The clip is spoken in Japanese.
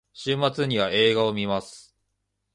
週末には映画を観ます。